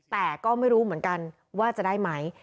แต่ก็ไม่รู้เหมือนกันว่าจะได้ไหม